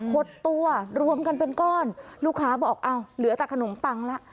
หดตัวรวมกันเป็นก้อนลูกค้าบอกอ้าวเหลือแต่ขนมปังละ